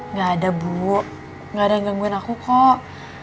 nggak ada bu nggak ada yang gangguin aku kok